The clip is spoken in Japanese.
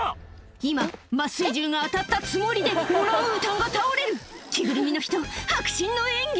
今麻酔銃が当たったつもりでオランウータンが倒れる着ぐるみの人迫真の演技